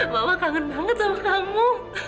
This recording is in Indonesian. bapak kangen banget sama kamu